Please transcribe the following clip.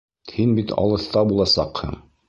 Һин бит алыҫта буласаҡһың.